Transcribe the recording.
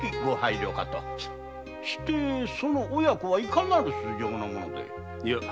してその親子はいかなる素性の者で？